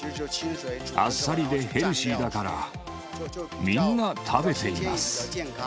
あっさりでヘルシーだから、みんな食べています。